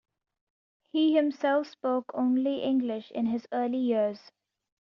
He himself spoke only English in his early years.